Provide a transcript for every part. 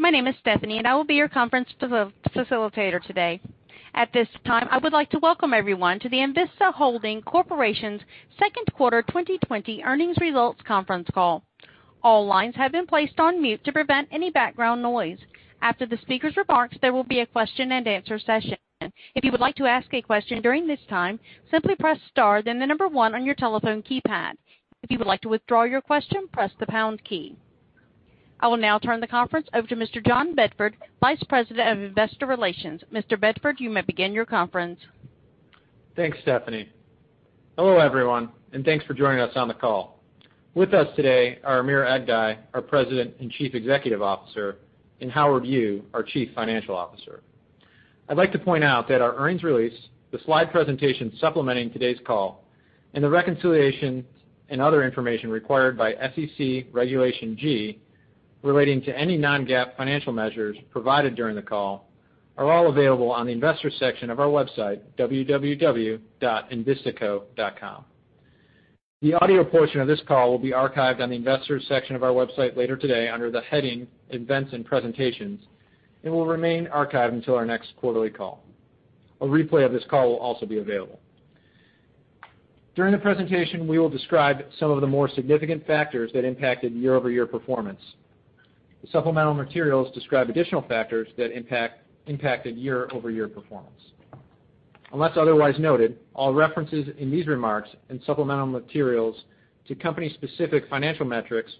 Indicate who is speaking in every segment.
Speaker 1: My name is Stephanie, and I will be your conference facilitator today. At this time, I would like to welcome everyone to the Envista Holdings Corporation's second quarter 2020 earnings results conference call. All lines have been placed on mute to prevent any background noise. After the speaker's remarks, there will be a question-and-answer session. If you would like to ask a question during this time, simply press star, then the number one on your telephone keypad. If you would like to withdraw your question, press the pound key. I will now turn the conference over to Mr. John Bedford, Vice President of Investor Relations. Mr. Bedford, you may begin your conference.
Speaker 2: Thanks, Stephanie. Hello, everyone, and thanks for joining us on the call. With us today are Amir Aghdaei, our President and Chief Executive Officer, and Howard Yu, our Chief Financial Officer. I'd like to point out that our earnings release, the slide presentation supplementing today's call, and the reconciliation and other information required by SEC Regulation G, relating to any non-GAAP financial measures provided during the call, are all available on the Investors section of our website, www.envistaco.com. The audio portion of this call will be archived on the Investors section of our website later today under the heading Events and Presentations, and will remain archived until our next quarterly call. A replay of this call will also be available. During the presentation, we will describe some of the more significant factors that impacted year-over-year performance. The supplemental materials describe additional factors that impacted year-over-year performance. Unless otherwise noted, all references in these remarks and supplemental materials to company-specific financial metrics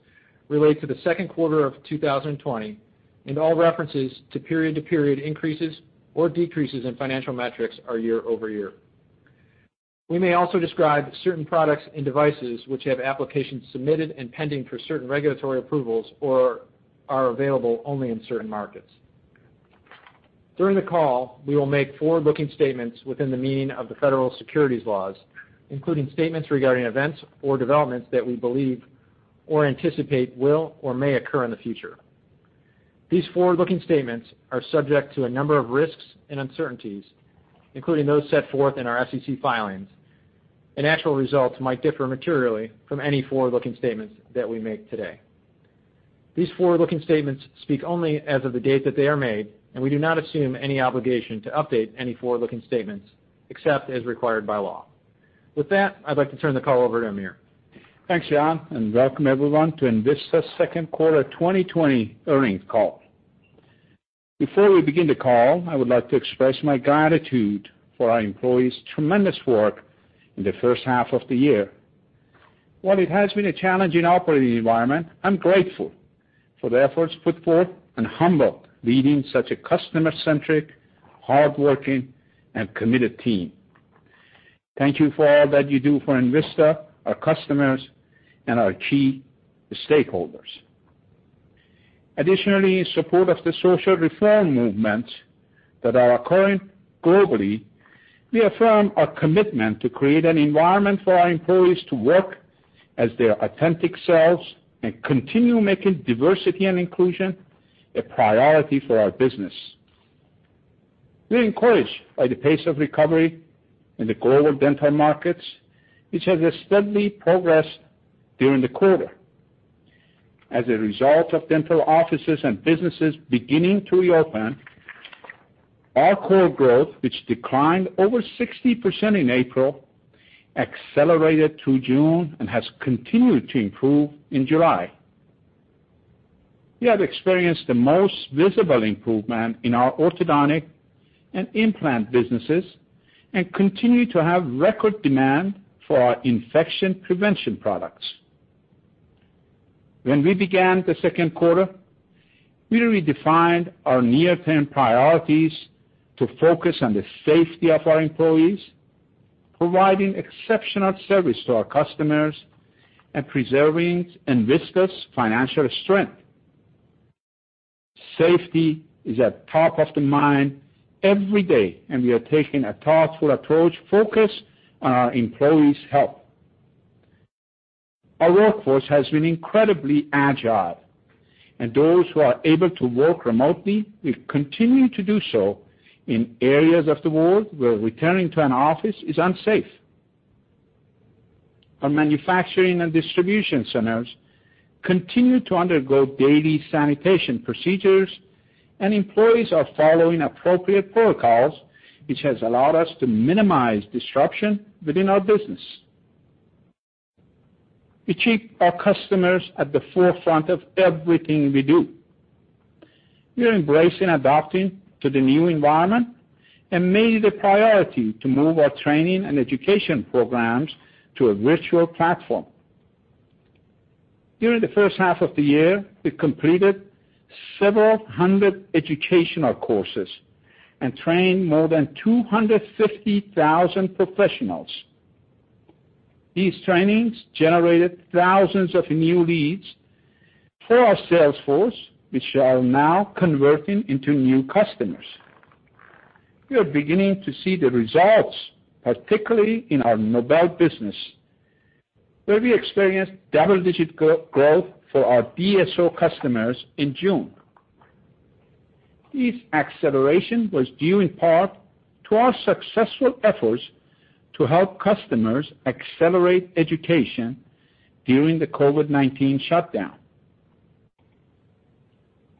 Speaker 2: relate to the second quarter of 2020, and all references to period-to-period increases or decreases in financial metrics are year-over-year. We may also describe certain products and devices which have applications submitted and pending for certain regulatory approvals or are available only in certain markets. During the call, we will make forward-looking statements within the meaning of the federal securities laws, including statements regarding events or developments that we believe or anticipate will or may occur in the future. These forward-looking statements are subject to a number of risks and uncertainties, including those set forth in our SEC filings, and actual results might differ materially from any forward-looking statements that we make today. These forward-looking statements speak only as of the date that they are made, and we do not assume any obligation to update any forward-looking statements, except as required by law. With that, I'd like to turn the call over to Amir.
Speaker 3: Thanks, John, and welcome everyone to Envista's second quarter 2020 earnings call. Before we begin the call, I would like to express my gratitude for our employees' tremendous work in the first half of the year. While it has been a challenging operating environment, I'm grateful for the efforts put forth and humbled leading such a customer-centric, hardworking, and committed team. Thank you for all that you do for Envista, our customers, and our key stakeholders. Additionally, in support of the social reform movements that are occurring globally, we affirm our commitment to create an environment for our employees to work as their authentic selves and continue making diversity and inclusion a priority for our business. We're encouraged by the pace of recovery in the global dental markets, which has steadily progressed during the quarter. As a result of dental offices and businesses beginning to reopen, our core growth, which declined over 60% in April, accelerated through June and has continued to improve in July. We have experienced the most visible improvement in our orthodontic and implant businesses and continue to have record demand for our infection prevention products. When we began the second quarter, we redefined our near-term priorities to focus on the safety of our employees, providing exceptional service to our customers, and preserving Envista's financial strength. Safety is at top of the mind every day, and we are taking a thoughtful approach focused on our employees' health. Our workforce has been incredibly agile, and those who are able to work remotely will continue to do so in areas of the world where returning to an office is unsafe. Our manufacturing and distribution centers continue to undergo daily sanitation procedures, and employees are following appropriate protocols, which has allowed us to minimize disruption within our business. We keep our customers at the forefront of everything we do. We are embracing adapting to the new environment and made it a priority to move our training and education programs to a virtual platform. During the first half of the year, we completed several hundred educational courses and trained more than 250,000 professionals. These trainings generated thousands of new leads for our sales force, which are now converting into new customers. We are beginning to see the results, particularly in our Nobel business, where we experienced double-digit growth for our DSO customers in June. This acceleration was due in part to our successful efforts to help customers accelerate education during the COVID-19 shutdown.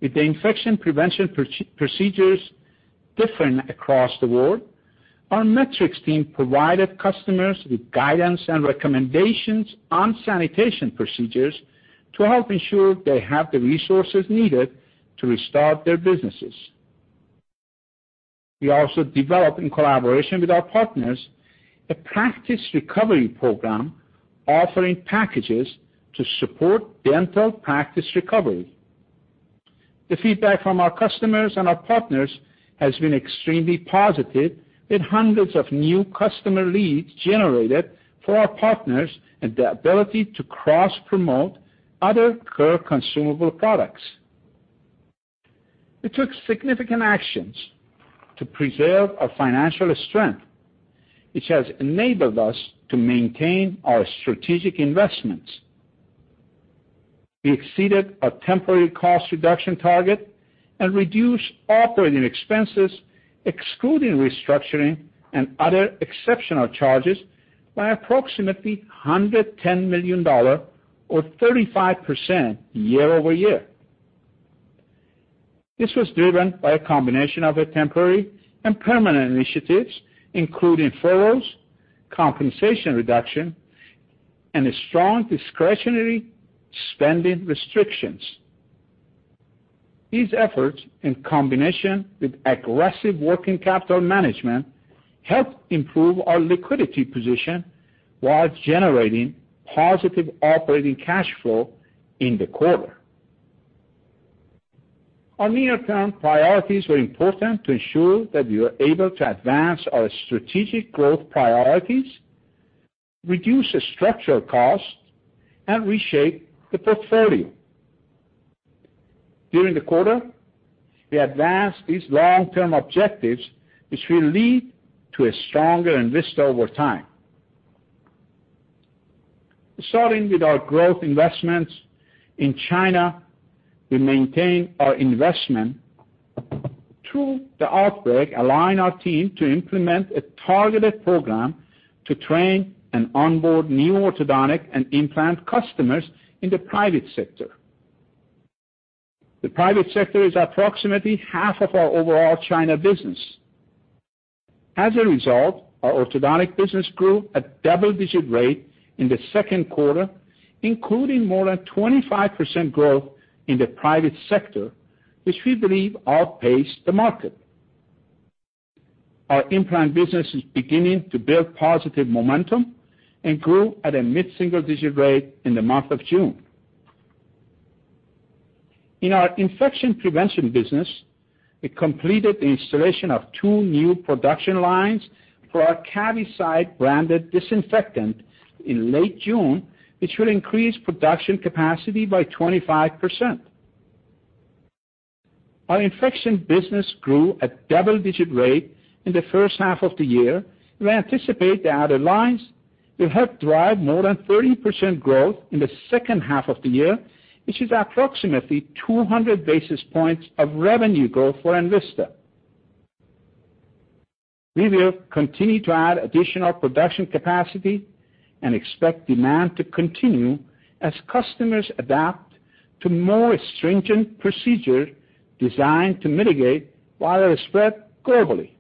Speaker 3: With the infection prevention procedures different across the world, our Metrex team provided customers with guidance and recommendations on sanitation procedures to help ensure they have the resources needed to restart their businesses. We also developed, in collaboration with our partners, a practice recovery program offering packages to support dental practice recovery. The feedback from our customers and our partners has been extremely positive, with hundreds of new customer leads generated for our partners and the ability to cross-promote other core consumable products. We took significant actions to preserve our financial strength, which has enabled us to maintain our strategic investments. We exceeded our temporary cost reduction target and reduced operating expenses, excluding restructuring and other exceptional charges, by approximately $110 million or 35% year-over-year. This was driven by a combination of a temporary and permanent initiatives, including furloughs, compensation reduction, and a strong discretionary spending restrictions. These efforts, in combination with aggressive working capital management, helped improve our liquidity position while generating positive operating cash flow in the quarter. Our near-term priorities were important to ensure that we are able to advance our strategic growth priorities, reduce structural costs, and reshape the portfolio. During the quarter, we advanced these long-term objectives, which will lead to a stronger Envista over time. Starting with our growth investments in China, we maintained our investment through the outbreak, allowing our team to implement a targeted program to train and onboard new orthodontic and implant customers in the private sector. The private sector is approximately half of our overall China business. As a result, our orthodontic business grew at double-digit rate in the second quarter, including more than 25% growth in the private sector, which we believe outpaced the market. Our implant business is beginning to build positive momentum and grew at a mid-single-digit rate in the month of June. In our infection prevention business, we completed the installation of two new production lines for our CaviCide-branded disinfectant in late June, which will increase production capacity by 25%. Our infection business grew at double-digit rate in the first half of the year. We anticipate the added lines will help drive more than 30% growth in the second half of the year, which is approximately 200 basis points of revenue growth for Envista. We will continue to add additional production capacity and expect demand to continue as customers adapt to more stringent procedures designed to mitigate viral spread globally.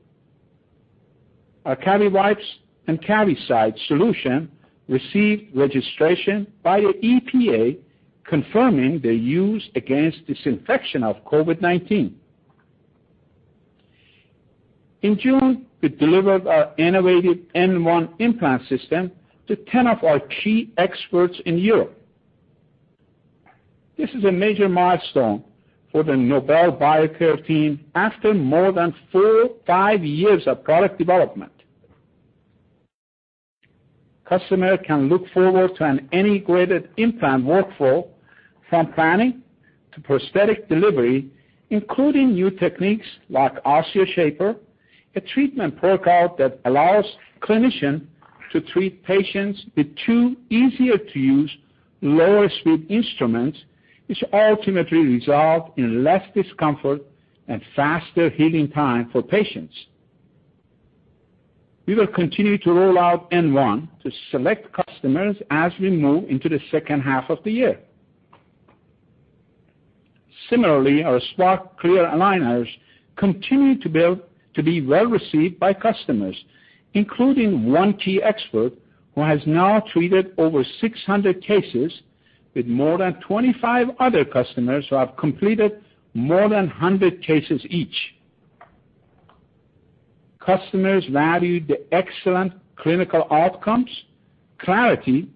Speaker 3: Our CaviWipes and CaviCide solution received registration by the EPA, confirming their use against disinfection of COVID-19. In June, we delivered our innovative N1 implant system to 10 of our key experts in Europe. This is a major milestone for the Nobel Biocare team after more than four, five years of product development. Customer can look forward to an integrated implant workflow, from planning to prosthetic delivery, including new techniques like OsseoShaper, a treatment protocol that allows clinician to treat patients with two easier-to-use, lower-speed instruments, which ultimately result in less discomfort and faster healing time for patients. We will continue to roll out N1 to select customers as we move into the second half of the year. Similarly, our Spark clear aligners continue to build-- to be well received by customers, including one key expert who has now treated over 600 cases, with more than 25 other customers who have completed more than 100 cases each. Customers value the excellent clinical outcomes, clarity,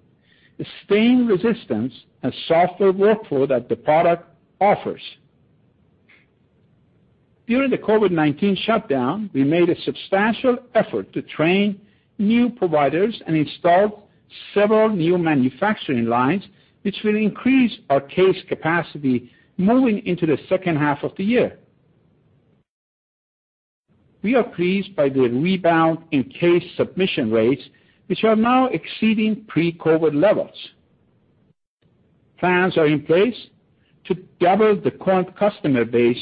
Speaker 3: the stain resistance, and software workflow that the product offers. During the COVID-19 shutdown, we made a substantial effort to train new providers and installed several new manufacturing lines, which will increase our case capacity moving into the second half of the year. We are pleased by the rebound in case submission rates, which are now exceeding pre-COVID levels.... plans are in place to double the current customer base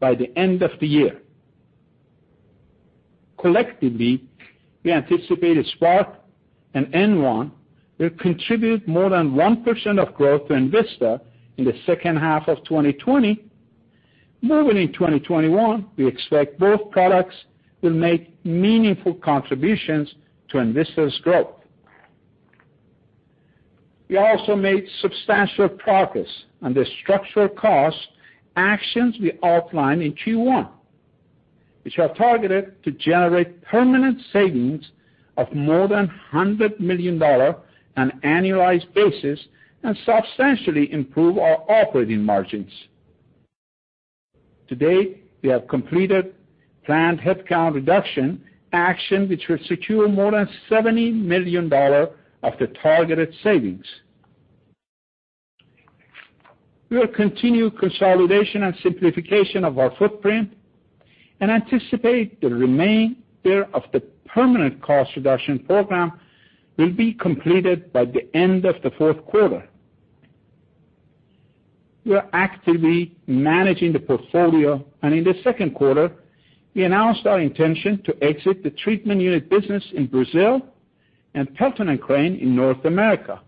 Speaker 3: by the end of the year. Collectively, we anticipate Spark and N1 will contribute more than 1% of growth to Envista in the second half of 2020. Moving in 2021, we expect both products will make meaningful contributions to Envista's growth. We also made substantial progress on the structural cost actions we outlined in Q1, which are targeted to generate permanent savings of more than $100 million on an annualized basis and substantially improve our operating margins. To date, we have completed planned headcount reduction action, which will secure more than $70 million of the targeted savings. We will continue consolidation and simplification of our footprint and anticipate the remainder of the permanent cost reduction program will be completed by the end of the fourth quarter. We are actively managing the portfolio, and in the second quarter, we announced our intention to exit the treatment unit business in Brazil and Pelton & Crane in North America,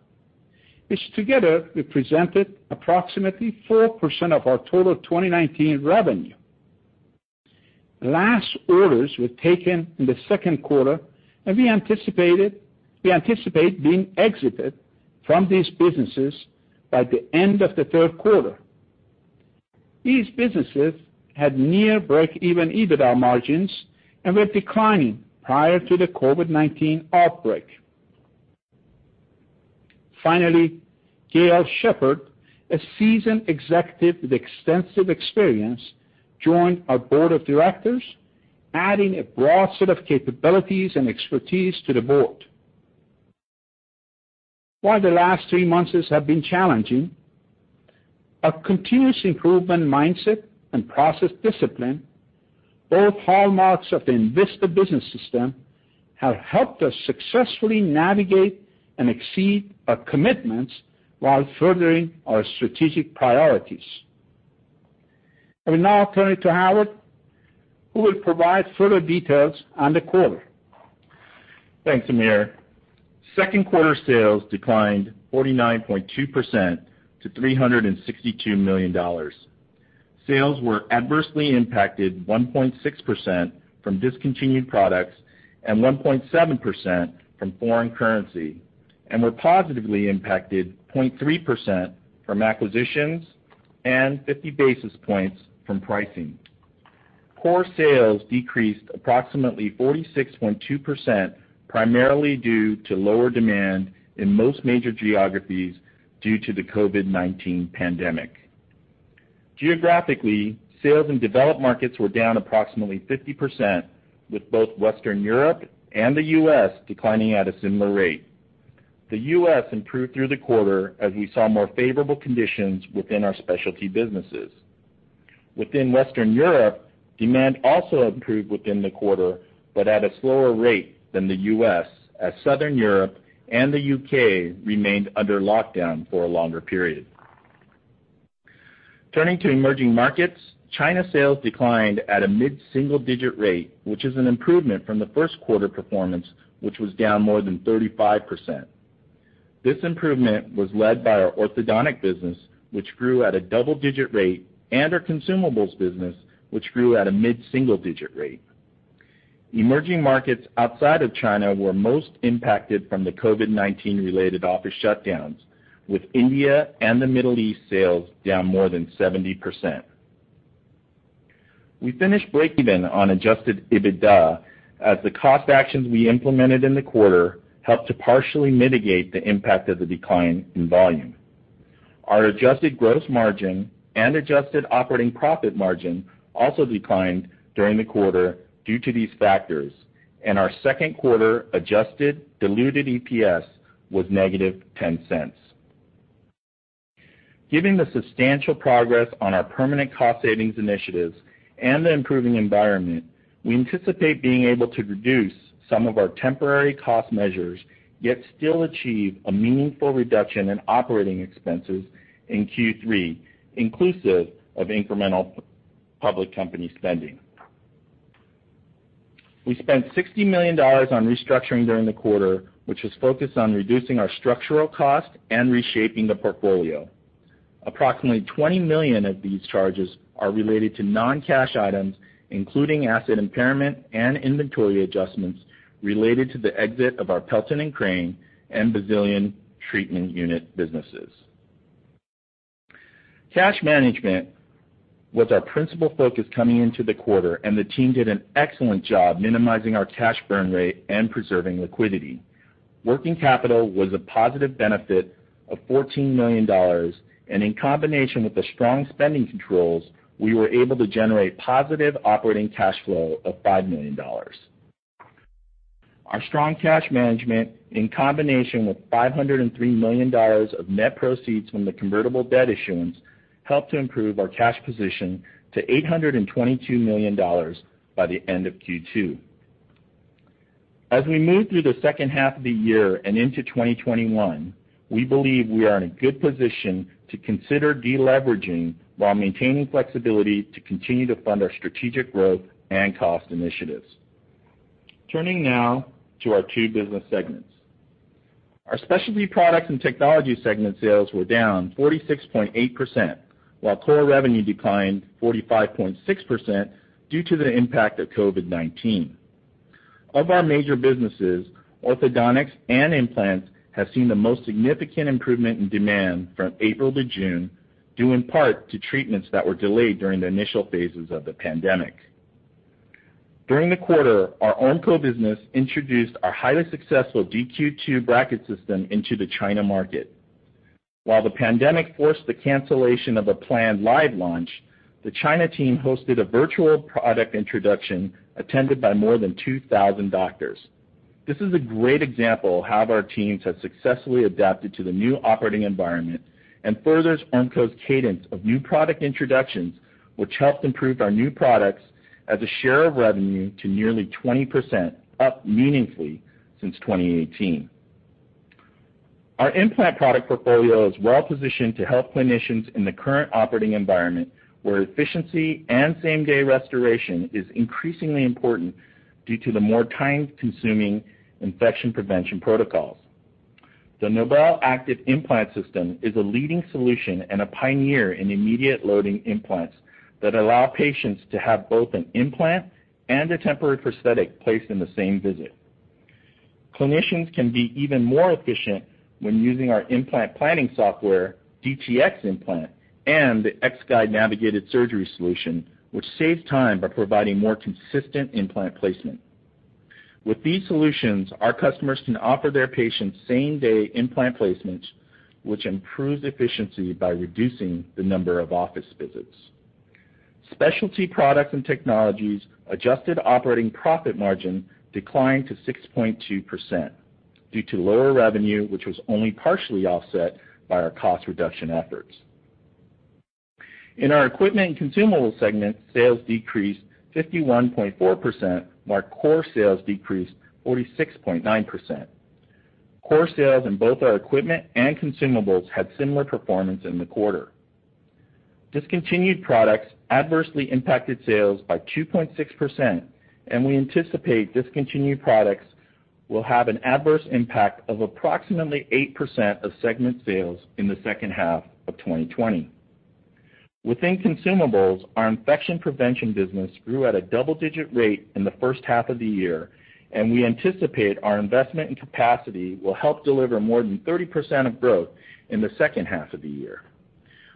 Speaker 3: which together represented approximately 4% of our total 2019 revenue. Last orders were taken in the second quarter, and we anticipated, we anticipate being exited from these businesses by the end of the third quarter. These businesses had near break-even EBITDA margins and were declining prior to the COVID-19 outbreak. Finally, Gayle Sheppard, a seasoned executive with extensive experience, joined our board of directors, adding a broad set of capabilities and expertise to the board. While the last three months have been challenging, our continuous improvement mindset and process discipline, both hallmarks of the Envista Business System, have helped us successfully navigate and exceed our commitments while furthering our strategic priorities. I will now turn it to Howard, who will provide further details on the quarter.
Speaker 4: Thanks, Amir. Second quarter sales declined 49.2% to $362 million. Sales were adversely impacted 1.6% from discontinued products and 1.7% from foreign currency, and were positively impacted 0.3% from acquisitions and 50 basis points from pricing. Core sales decreased approximately 46.2%, primarily due to lower demand in most major geographies due to the COVID-19 pandemic. Geographically, sales in developed markets were down approximately 50%, with both Western Europe and the U.S. declining at a similar rate. The U.S. improved through the quarter as we saw more favorable conditions within our specialty businesses. Within Western Europe, demand also improved within the quarter, but at a slower rate than the U.S., as Southern Europe and the U.K. remained under lockdown for a longer period. Turning to emerging markets, China sales declined at a mid-single-digit rate, which is an improvement from the first quarter performance, which was down more than 35%. This improvement was led by our orthodontic business, which grew at a double-digit rate, and our consumables business, which grew at a mid-single-digit rate. Emerging markets outside of China were most impacted from the COVID-19 related office shutdowns, with India and the Middle East sales down more than 70%. We finished break even on Adjusted EBITDA, as the cost actions we implemented in the quarter helped to partially mitigate the impact of the decline in volume. Our adjusted gross margin and adjusted operating profit margin also declined during the quarter due to these factors, and our second quarter adjusted diluted EPS was -$0.10. Given the substantial progress on our permanent cost savings initiatives and the improving environment, we anticipate being able to reduce some of our temporary cost measures, yet still achieve a meaningful reduction in operating expenses in Q3, inclusive of incremental public company spending. We spent $60 million on restructuring during the quarter, which was focused on reducing our structural cost and reshaping the portfolio. Approximately $20 million of these charges are related to non-cash items, including asset impairment and inventory adjustments related to the exit of our Pelton & Crane and Brazilian treatment unit businesses. Cash management was our principal focus coming into the quarter, and the team did an excellent job minimizing our cash burn rate and preserving liquidity. Working capital was a positive benefit of $14 million, and in combination with the strong spending controls, we were able to generate positive operating cash flow of $5 million. Our strong cash management, in combination with $503 million of net proceeds from the convertible debt issuance, helped to improve our cash position to $822 million by the end of Q2. As we move through the second half of the year and into 2021, we believe we are in a good position to consider deleveraging while maintaining flexibility to continue to fund our strategic growth and cost initiatives. Turning now to our two business segments. Our specialty products and technology segment sales were down 46.8%, while core revenue declined 45.6% due to the impact of COVID-19. Of our major businesses, orthodontics and implants have seen the most significant improvement in demand from April to June, due in part to treatments that were delayed during the initial phases of the pandemic. During the quarter, our Ormco business introduced our highly successful DQ2 bracket system into the China market. While the pandemic forced the cancellation of a planned live launch, the China team hosted a virtual product introduction attended by more than 2,000 doctors. This is a great example of how our teams have successfully adapted to the new operating environment and furthers Ormco's cadence of new product introductions, which helped improve our new products as a share of revenue to nearly 20%, up meaningfully since 2018. Our implant product portfolio is well positioned to help clinicians in the current operating environment, where efficiency and same-day restoration is increasingly important due to the more time-consuming infection prevention protocols. The NobelActive Implant System is a leading solution and a pioneer in immediate loading implants that allow patients to have both an implant and a temporary prosthetic placed in the same visit. Clinicians can be even more efficient when using our implant planning software, DTX Implant, and the X-Guide Navigated Surgery Solution, which saves time by providing more consistent implant placement. With these solutions, our customers can offer their patients same-day implant placements, which improves efficiency by reducing the number of office visits. Specialty products and technologies adjusted operating profit margin declined to 6.2% due to lower revenue, which was only partially offset by our cost reduction efforts. In our equipment and consumables segment, sales decreased 51.4%, while core sales decreased 46.9%. Core sales in both our equipment and consumables had similar performance in the quarter. Discontinued products adversely impacted sales by 2.6%, and we anticipate discontinued products will have an adverse impact of approximately 8% of segment sales in the second half of 2020. Within consumables, our infection prevention business grew at a double-digit rate in the first half of the year, and we anticipate our investment in capacity will help deliver more than 30% of growth in the second half of the year.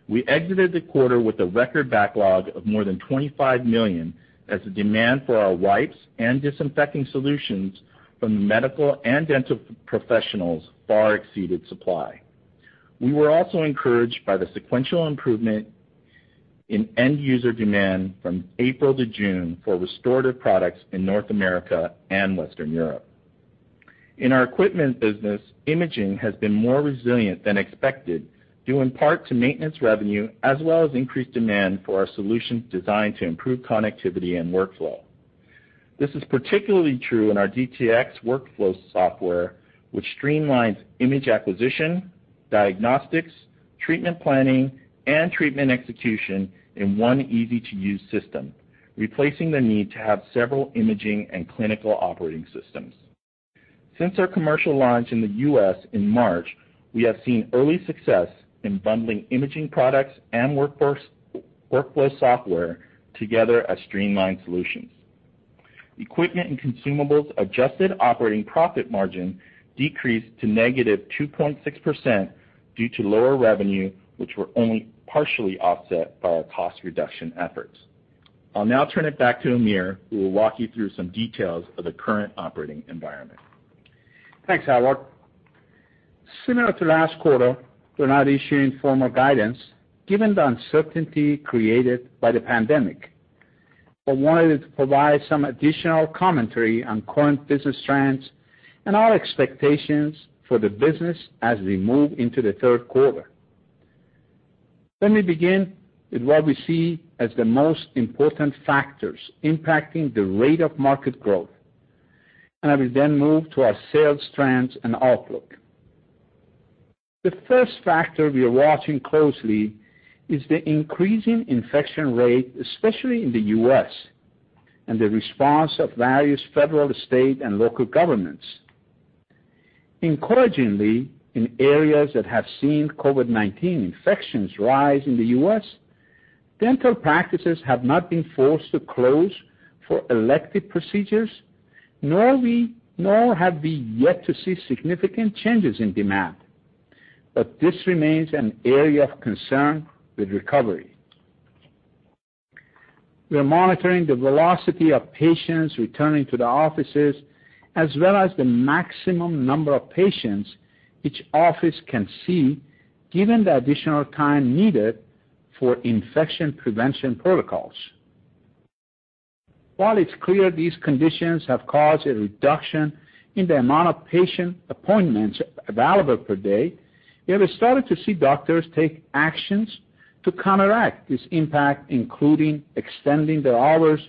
Speaker 4: We exited the quarter with a record backlog of more than $25 million as the demand for our wipes and disinfecting solutions from the medical and dental professionals far exceeded supply. We were also encouraged by the sequential improvement in end user demand from April to June for restorative products in North America and Western Europe. In our equipment business, imaging has been more resilient than expected, due in part to maintenance revenue, as well as increased demand for our solutions designed to improve connectivity and workflow. This is particularly true in our DTX workflow software, which streamlines image acquisition, diagnostics, treatment planning, and treatment execution in one easy-to-use system, replacing the need to have several imaging and clinical operating systems. Since our commercial launch in the U.S. in March, we have seen early success in bundling imaging products and workflow software together as streamlined solutions. Equipment and consumables adjusted operating profit margin decreased to negative 2.6% due to lower revenue, which were only partially offset by our cost reduction efforts. I'll now turn it back to Amir, who will walk you through some details of the current operating environment.
Speaker 3: Thanks, Howard. Similar to last quarter, we're not issuing formal guidance given the uncertainty created by the pandemic, but wanted to provide some additional commentary on current business trends and our expectations for the business as we move into the third quarter. Let me begin with what we see as the most important factors impacting the rate of market growth, and I will then move to our sales trends and outlook. The first factor we are watching closely is the increasing infection rate, especially in the U.S., and the response of various federal, state, and local governments. Encouragingly, in areas that have seen COVID-19 infections rise in the U.S., dental practices have not been forced to close for elective procedures, nor have we yet to see significant changes in demand. But this remains an area of concern with recovery. We are monitoring the velocity of patients returning to the offices, as well as the maximum number of patients each office can see, given the additional time needed for infection prevention protocols. While it's clear these conditions have caused a reduction in the amount of patient appointments available per day. We have started to see doctors take actions to counteract this impact, including extending their hours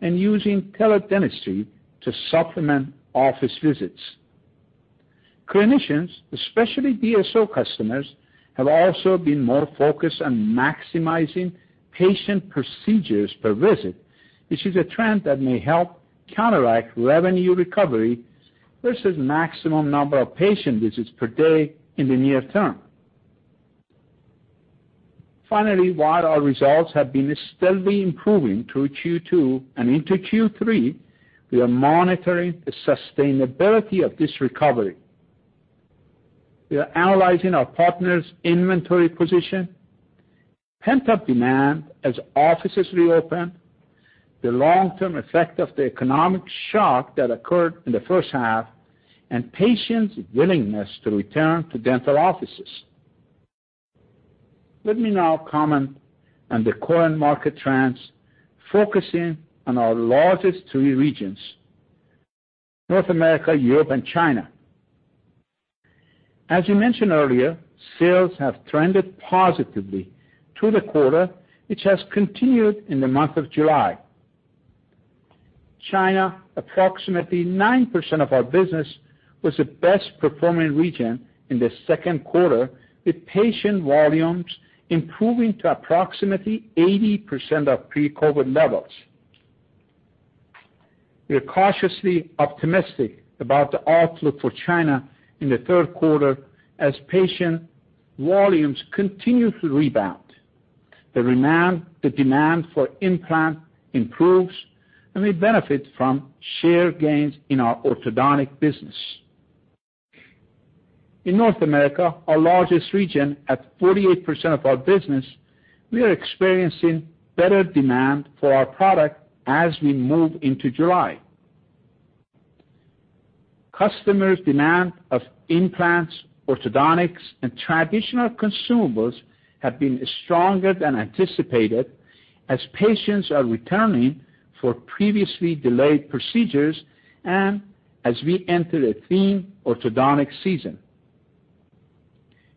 Speaker 3: and using teledentistry to supplement office visits. Clinicians, especially DSO customers, have also been more focused on maximizing patient procedures per visit, which is a trend that may help counteract revenue recovery versus maximum number of patient visits per day in the near term. Finally, while our results have been steadily improving through Q2 and into Q3, we are monitoring the sustainability of this recovery. We are analyzing our partners' inventory position, pent-up demand as offices reopen, the long-term effect of the economic shock that occurred in the first half, and patients' willingness to return to dental offices. Let me now comment on the current market trends, focusing on our largest three regions, North America, Europe, and China. As you mentioned earlier, sales have trended positively through the quarter, which has continued in the month of July. China, approximately 9% of our business, was the best performing region in the second quarter, with patient volumes improving to approximately 80% of pre-COVID levels. We are cautiously optimistic about the outlook for China in the third quarter as patient volumes continue to rebound, the demand for implant improves, and we benefit from share gains in our orthodontic business. In North America, our largest region, at 48% of our business, we are experiencing better demand for our product as we move into July. Customers' demand of implants, orthodontics, and traditional consumables have been stronger than anticipated, as patients are returning for previously delayed procedures and as we enter a thin orthodontic season.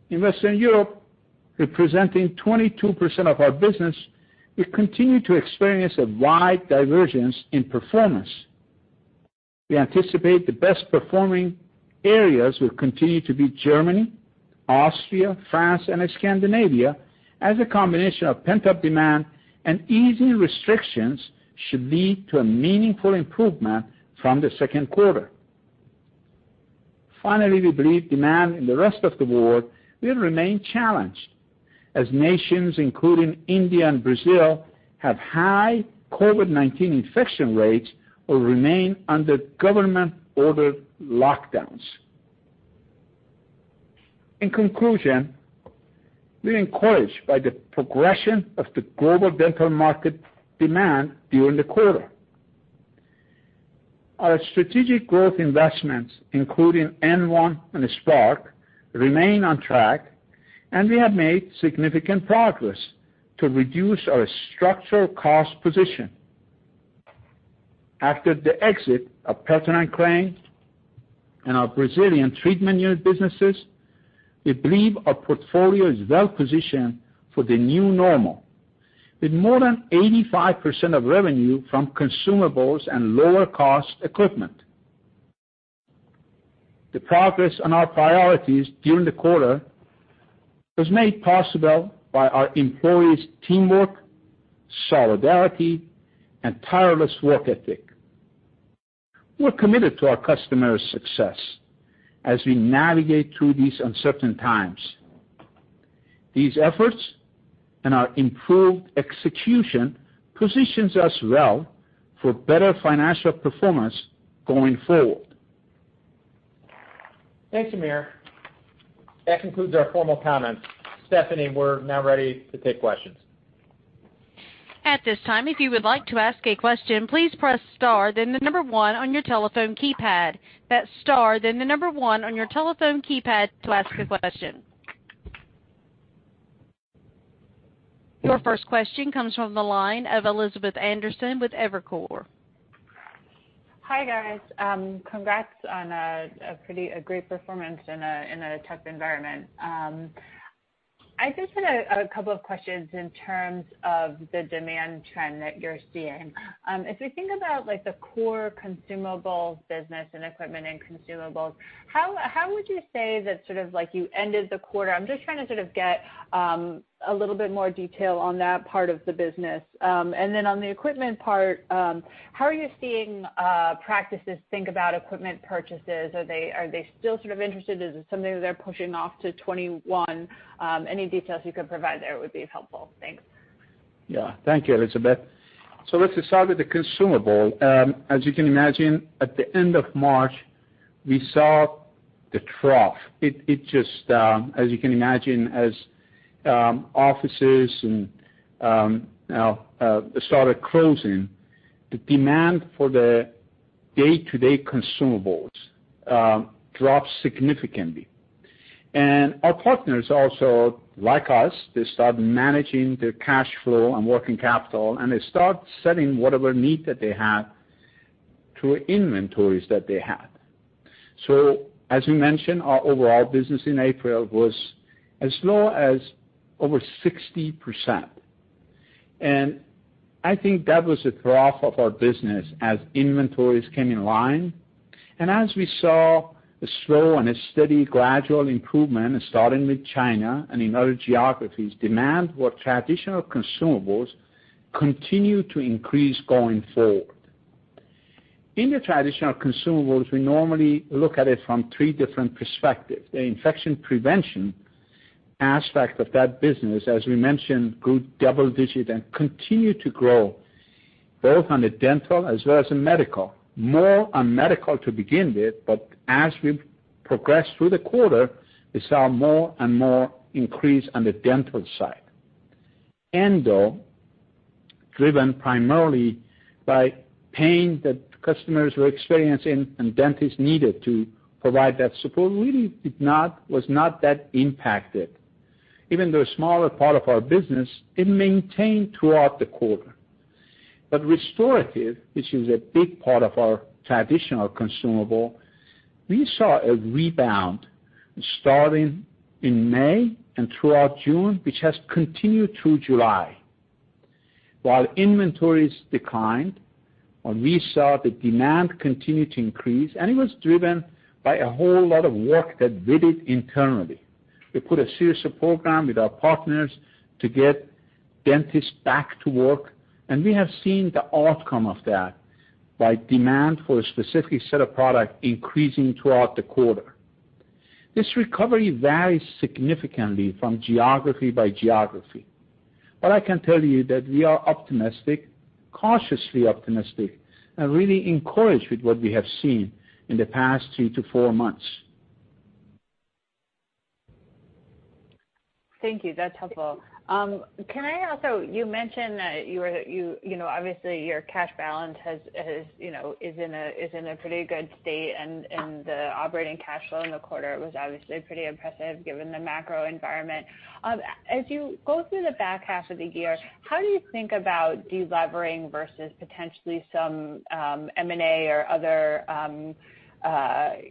Speaker 3: In Western Europe, representing 22% of our business, we continue to experience a wide divergence in performance. We anticipate the best performing areas will continue to be Germany, Austria, France, and Scandinavia, as a combination of pent-up demand and easing restrictions should lead to a meaningful improvement from the second quarter. Finally, we believe demand in the rest of the world will remain challenged, as nations, including India and Brazil, have high COVID-19 infection rates or remain under government-ordered lockdowns. In conclusion, we're encouraged by the progression of the global dental market demand during the quarter. Our strategic growth investments, including N1 and Spark, remain on track, and we have made significant progress to reduce our structural cost position. After the exit of Pelton & Crane and our Brazilian treatment unit businesses, we believe our portfolio is well positioned for the new normal, with more than 85% of revenue from consumables and lower-cost equipment. The progress on our priorities during the quarter was made possible by our employees' teamwork, solidarity, and tireless work ethic. We're committed to our customers' success as we navigate through these uncertain times. These efforts and our improved execution positions us well for better financial performance going forward.
Speaker 2: Thanks, Amir. That concludes our formal comments. Stephanie, we're now ready to take questions.
Speaker 1: At this time, if you would like to ask a question, please press star, then the number one on your telephone keypad. That's star, then the number one on your telephone keypad to ask a question. Your first question comes from the line of Elizabeth Anderson with Evercore.
Speaker 5: Hi, guys, congrats on a pretty great performance in a tough environment. I just had a couple of questions in terms of the demand trend that you're seeing. If we think about, like, the core consumables business and equipment and consumables, how would you say that sort of like you ended the quarter? I'm just trying to sort of get a little bit more detail on that part of the business. And then on the equipment part, how are you seeing practices think about equipment purchases? Are they still sort of interested? Is it something that they're pushing off to 2021? Any details you could provide there would be helpful. Thanks.
Speaker 3: Yeah. Thank you, Elizabeth. So let's start with the consumable. As you can imagine, at the end of March, we saw the trough. It just, as you can imagine, as offices started closing, the demand for the day-to-day consumables dropped significantly. And our partners also, like us, they start managing their cash flow and working capital, and they start sell-in whatever need that they have to inventories that they had. So as we mentioned, our overall business in April was as low as over 60%. And I think that was a trough of our business as inventories came in line, and as we saw a slow and a steady gradual improvement, starting with China and in other geographies, demand for traditional consumables continued to increase going forward. In the traditional consumables, we normally look at it from three different perspectives. The infection prevention aspect of that business, as we mentioned, grew double-digit and continued to grow both on the dental as well as in medical. More on medical to begin with, but as we progressed through the quarter, we saw more and more increase on the dental side. Endo, driven primarily by pain that customers were experiencing and dentists needed to provide that support, really did not, was not that impacted. Even though a smaller part of our business, it maintained throughout the quarter. But restorative, which is a big part of our traditional consumable, we saw a rebound starting in May and throughout June, which has continued through July. While inventories declined, and we saw the demand continue to increase, and it was driven by a whole lot of work that we did internally. We put a serious program with our partners to get dentists back to work, and we have seen the outcome of that by demand for a specific set of product increasing throughout the quarter. This recovery varies significantly from geography by geography. But I can tell you that we are optimistic, cautiously optimistic, and really encouraged with what we have seen in the past two-four months.
Speaker 5: Thank you. That's helpful. Can I also—you mentioned that you were, you know, obviously, your cash balance has, you know, is in a pretty good state, and the operating cash flow in the quarter was obviously pretty impressive given the macro environment. As you go through the back half of the year, how do you think about delevering versus potentially some M&A or other,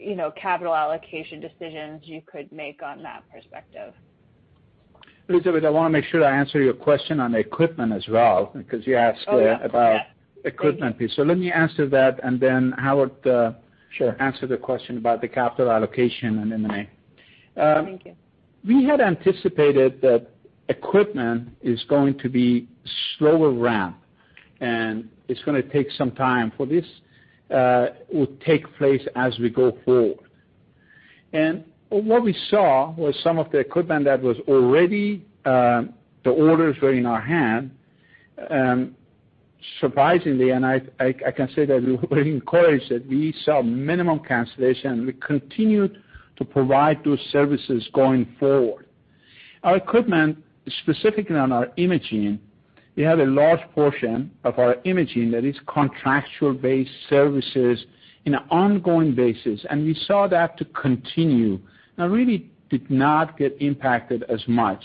Speaker 5: you know, capital allocation decisions you could make on that perspective?
Speaker 3: Elizabeth, I want to make sure I answer your question on the equipment as well, because you asked-
Speaker 5: Oh, yeah.
Speaker 3: about equipment piece. So let me answer that, and then Howard.
Speaker 4: Sure.
Speaker 3: Answer the question about the capital allocation and M&A.
Speaker 5: Thank you.
Speaker 3: We had anticipated that equipment is going to be slower ramp, and it's going to take some time for this to take place as we go forward. What we saw was some of the equipment that was already in our hand, surprisingly, and I can say that we were encouraged that we saw minimum cancellation. We continued to provide those services going forward. Our equipment, specifically on our imaging, we had a large portion of our imaging that is contractual-based services in an ongoing basis, and we saw that to continue, and really did not get impacted as much.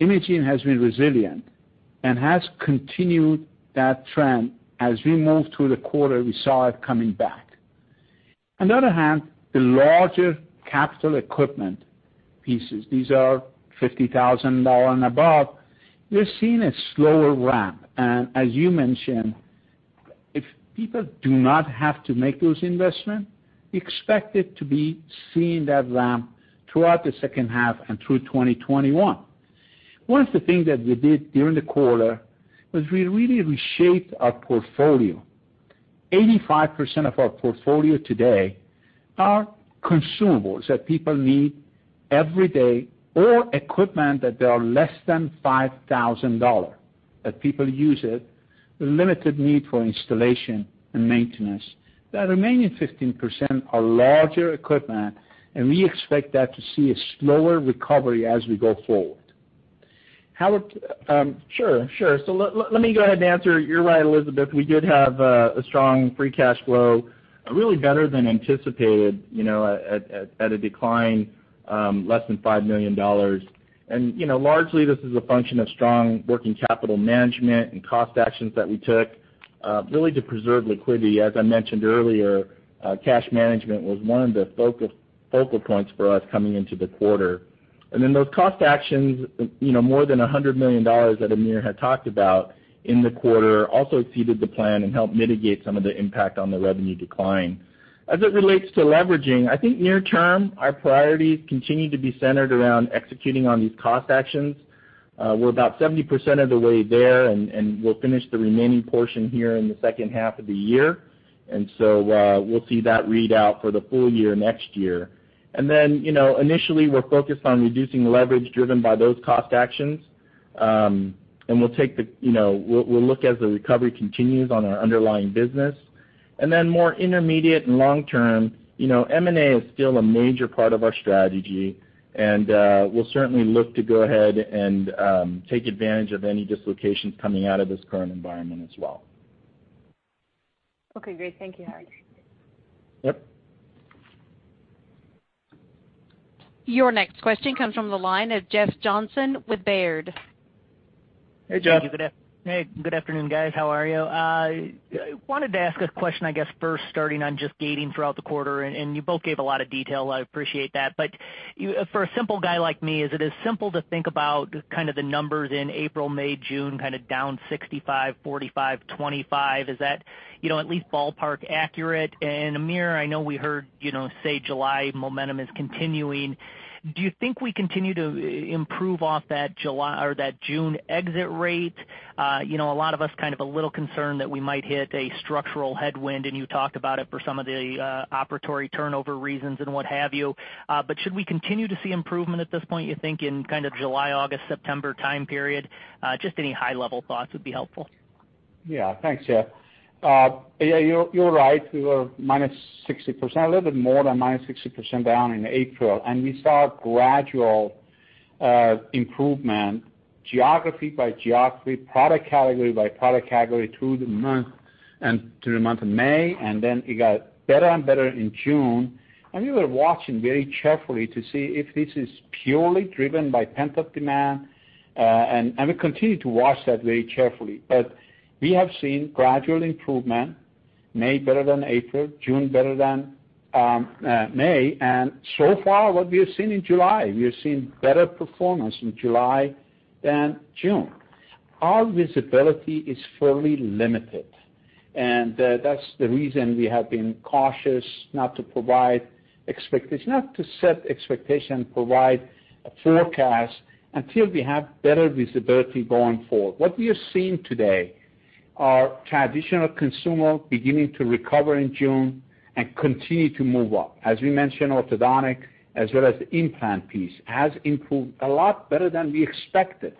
Speaker 3: Imaging has been resilient and has continued that trend. As we moved through the quarter, we saw it coming back. On the other hand, the larger capital equipment pieces, these are $50,000 and above, we're seeing a slower ramp. As you mentioned, if people do not have to make those investments, we expect it to be seeing that ramp throughout the second half and through 2021. One of the things that we did during the quarter was we really reshaped our portfolio. 85% of our portfolio today are consumables that people need every day, or equipment that they are less than $5,000, that people use it, limited need for installation and maintenance. The remaining 15% are larger equipment, and we expect that to see a slower recovery as we go forward. Howard?
Speaker 4: Sure, sure. So let me go ahead and answer. You're right, Elizabeth, we did have a strong free cash flow, really better than anticipated, you know, at a decline less than $5 million. And, you know, largely, this is a function of strong working capital management and cost actions that we took, really to preserve liquidity. As I mentioned earlier, cash management was one of the focal points for us coming into the quarter. And then those cost actions, you know, more than $100 million that Amir had talked about in the quarter, also exceeded the plan and helped mitigate some of the impact on the revenue decline. As it relates to leveraging, I think near term, our priorities continue to be centered around executing on these cost actions. We're about 70% of the way there, and we'll finish the remaining portion here in the second half of the year. And so, we'll see that read out for the full year next year. And then, you know, initially, we're focused on reducing leverage driven by those cost actions, and we'll take the, you know, we'll look as the recovery continues on our underlying business. And then more intermediate and long term, you know, M&A is still a major part of our strategy, and we'll certainly look to go ahead and take advantage of any dislocations coming out of this current environment as well.
Speaker 5: Okay, great. Thank you, Howard.
Speaker 4: Yep.
Speaker 1: Your next question comes from the line of Jeff Johnson with Baird.
Speaker 3: Hey, Jeff.
Speaker 6: Thank you. Good afternoon, guys. How are you? I wanted to ask a question, I guess, first starting on just guidance throughout the quarter, and you both gave a lot of detail, I appreciate that. But for a simple guy like me, is it as simple to think about kind of the numbers in April, May, June, kind of down 65, 45, 25? Is that, you know, at least ballpark accurate? And Amir, I know we heard, you know, say July momentum is continuing. Do you think we continue to improve off that July or that June exit rate? You know, a lot of us kind of a little concerned that we might hit a structural headwind, and you talked about it for some of the operatory turnover reasons and what have you. But should we continue to see improvement at this point, you think, in kind of July, August, September time period? Just any high level thoughts would be helpful.
Speaker 3: Yeah. Thanks, Jeff. Yeah, you're, you're right. We were -60%, a little bit more than -60% down in April, and we saw a gradual improvement, geography by geography, product category by product category, through the month and through the month of May, and then it got better and better in June. And we were watching very carefully to see if this is purely driven by pent-up demand, and we continue to watch that very carefully. But we have seen gradual improvement, May better than April, June better than May. And so far, what we have seen in July, we have seen better performance in July than June. Our visibility is fairly limited, and that's the reason we have been cautious not to set expectation, provide a forecast until we have better visibility going forward. What we are seeing today are traditional consumables beginning to recover in June and continue to move up. As we mentioned, orthodontic as well as the implant piece has improved a lot better than we expected.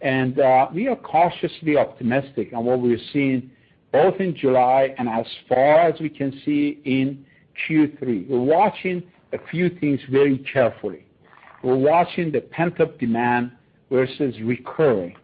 Speaker 3: And we are cautiously optimistic on what we're seeing, both in July and as far as we can see in Q3. We're watching a few things very carefully. We're watching the pent-up demand versus recurring,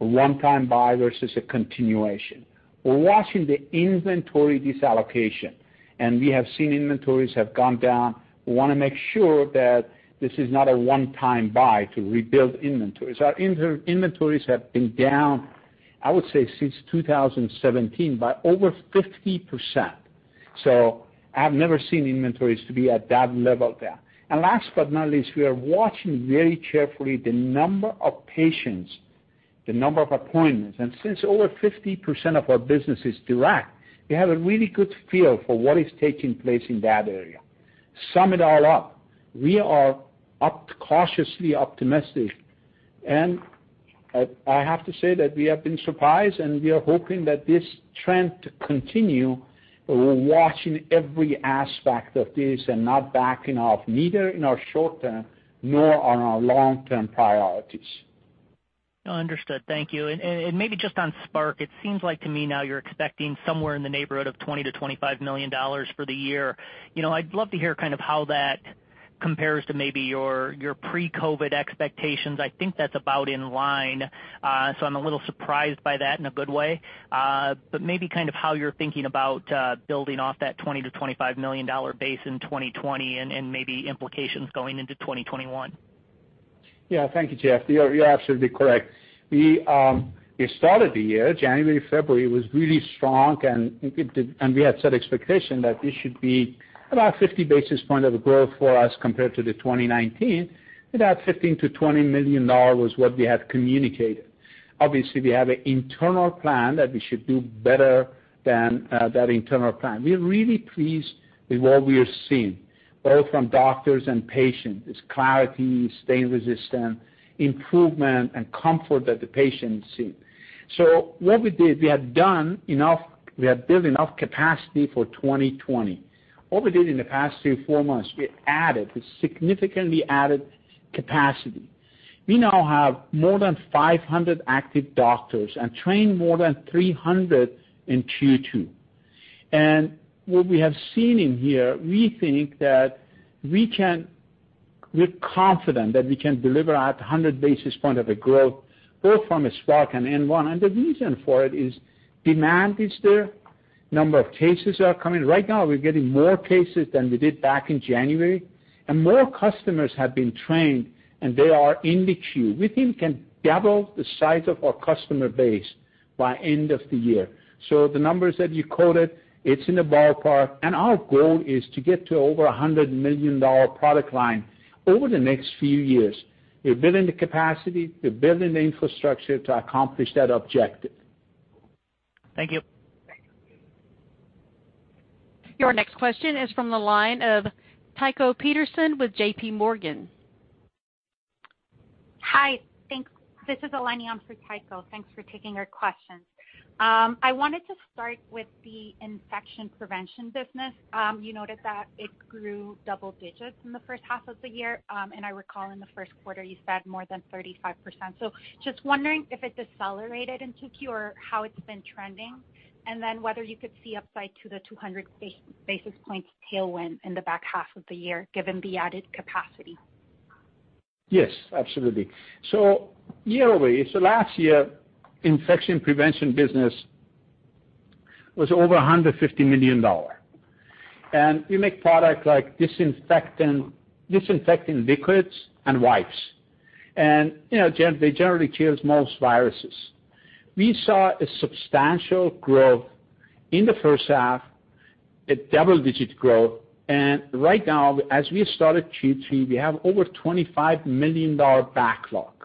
Speaker 3: a one-time buy versus a continuation. We're watching the inventory disallocation, and we have seen inventories have gone down. We wanna make sure that this is not a one-time buy to rebuild inventories. Our inventories have been down, I would say, since 2017, by over 50%. So I have never seen inventories to be at that level down. And last but not least, we are watching very carefully the number of patients, the number of appointments. Since over 50% of our business is direct, we have a really good feel for what is taking place in that area. Sum it all up, we are cautiously optimistic, and I have to say that we have been surprised, and we are hoping that this trend continue. We're watching every aspect of this and not backing off, neither in our short-term nor on our long-term priorities.
Speaker 6: Understood. Thank you. And maybe just on Spark, it seems like to me now you're expecting somewhere in the neighborhood of $20 million-$25 million for the year. You know, I'd love to hear kind of how that compares to maybe your pre-COVID expectations. I think that's about in line, so I'm a little surprised by that in a good way. But maybe kind of how you're thinking about building off that $20 million-$25 million dollar base in 2020 and maybe implications going into 2021.
Speaker 3: Yeah. Thank you, Jeff. You are absolutely correct. We started the year, January, February, was really strong, and we had set expectation that this should be about 50 basis points of growth for us compared to 2019. About $15 million-$20 million was what we had communicated. Obviously, we have an internal plan that we should do better than that internal plan. We are really pleased with what we are seeing, both from doctors and patients. It's clarity, stain resistant, improvement, and comfort that the patients see. So what we did, we had built enough capacity for 2020. What we did in the past three, four months, we added; we significantly added capacity. We now have more than 500 active doctors and trained more than 300 in Q2. What we have seen in here, we think that we can... We're confident that we can deliver 100 basis points of growth, both from Spark and N1. The reason for it is, demand is there, number of cases are coming. Right now, we're getting more cases than we did back in January, and more customers have been trained, and they are in the queue. We think we can double the size of our customer base by end of the year. The numbers that you quoted, it's in the ballpark, and our goal is to get to over $100 million product line over the next few years. We're building the capacity, we're building the infrastructure to accomplish that objective.
Speaker 6: Thank you.
Speaker 1: Your next question is from the line of Tycho Peterson with J.P. Morgan.
Speaker 7: Hi, thanks. This is Elena on for Tycho. Thanks for taking our questions. I wanted to start with the infection prevention business. You noted that it grew double digits in the first half of the year, and I recall in the first quarter you said more than 35%. So just wondering if it decelerated in 2Q or how it's been trending, and then whether you could see upside to the 200 basis points tailwind in the back half of the year, given the added capacity?
Speaker 3: Yes, absolutely. So year over year, so last year, infection prevention business was over $150 million. And we make product like disinfectant, disinfecting liquids and wipes. And, you know, gen-- they generally kills most viruses. We saw a substantial growth in the first half, a double-digit growth, and right now, as we started Q3, we have over $25 million backlog.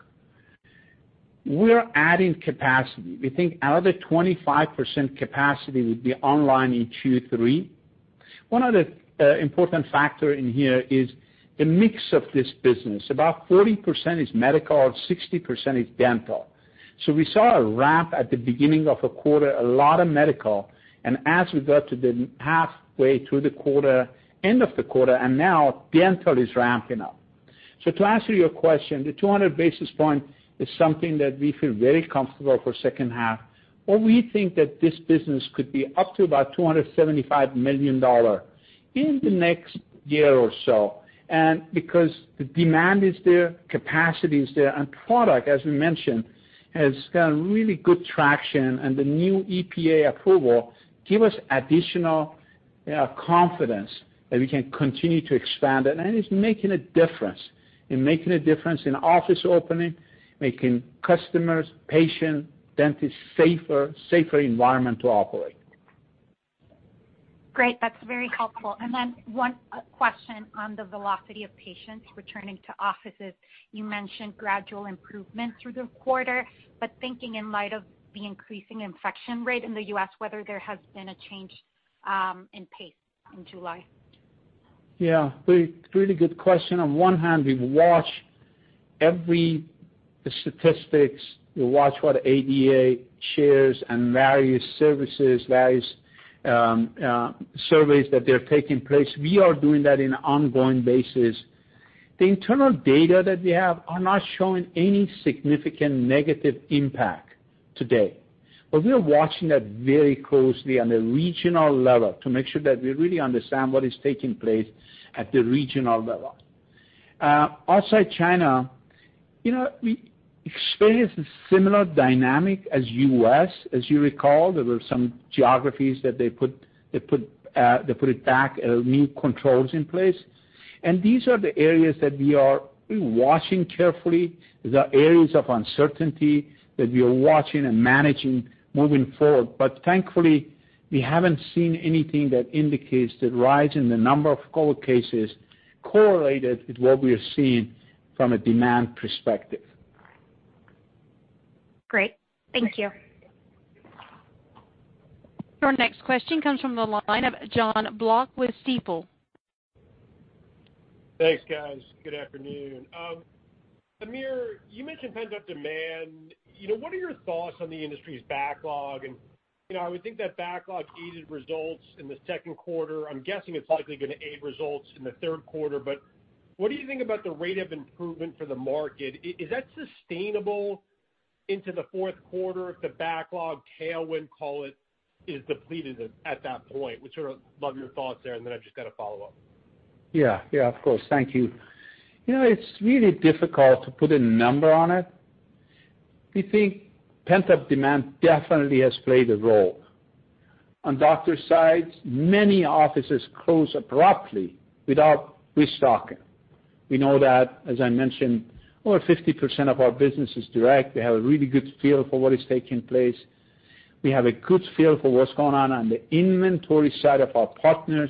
Speaker 3: We are adding capacity. We think another 25% capacity will be online in Q3. One of the important factor in here is the mix of this business. About 40% is medical, 60% is dental. So we saw a ramp at the beginning of the quarter, a lot of medical, and as we got to the halfway through the quarter, end of the quarter, and now dental is ramping up. To answer your question, the 200 basis point is something that we feel very comfortable for second half, but we think that this business could be up to about $275 million in the next year or so. And because the demand is there, capacity is there, and product, as we mentioned, has got really good traction, and the new EPA approval give us additional confidence that we can continue to expand it. And it's making a difference. It's making a difference in office opening, making customers, patient, dentists safer, safer environment to operate.
Speaker 7: Great, that's very helpful. And then one question on the velocity of patients returning to offices. You mentioned gradual improvement through the quarter, but thinking in light of the increasing infection rate in the U.S., whether there has been a change in pace in July?
Speaker 3: Yeah, really, really good question. On one hand, we watch every statistics. We watch what ADA shares and various services, various surveys that they're taking place. We are doing that in ongoing basis. The internal data that we have are not showing any significant negative impact today, but we are watching that very closely on a regional level to make sure that we really understand what is taking place at the regional level. Outside China, you know, we experienced a similar dynamic as U.S. As you recall, there were some geographies that they put it back new controls in place. And these are the areas that we are watching carefully. These are areas of uncertainty that we are watching and managing moving forward. But thankfully, we haven't seen anything that indicates the rise in the number of COVID cases correlated with what we are seeing from a demand perspective.
Speaker 7: Great. Thank you.
Speaker 1: Your next question comes from the line of Jon Block with Stifel.
Speaker 8: Thanks, guys. Good afternoon. Amir, you mentioned pent-up demand. You know, what are your thoughts on the industry's backlog? And, you know, I would think that backlog aided results in the second quarter. I'm guessing it's likely going to aid results in the third quarter, but what do you think about the rate of improvement for the market? Is that sustainable into the fourth quarter if the backlog tailwind, call it, is depleted at that point? Would sort of love your thoughts there, and then I've just got a follow-up.
Speaker 3: Yeah. Yeah, of course. Thank you. You know, it's really difficult to put a number on it. We think pent-up demand definitely has played a role. On doctors' sides, many offices closed abruptly without restocking. We know that, as I mentioned, over 50% of our business is direct. We have a really good feel for what is taking place. We have a good feel for what's going on on the inventory side of our partners.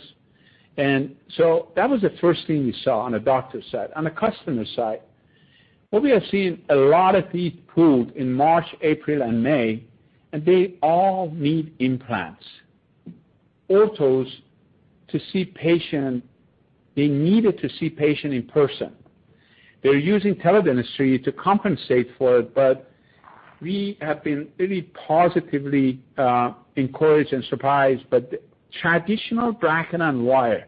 Speaker 3: And so that was the first thing we saw on the doctor side. On the customer side, what we have seen a lot of teeth pulled in March, April and May, and they all need implants. Orthos to see patient, they needed to see patient in person. They're using teledentistry to compensate for it, but we have been really positively encouraged and surprised. But traditional bracket and wire,